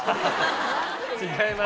違います。